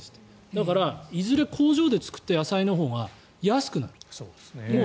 だから、いずれ工場で作った野菜のほうが安くなる。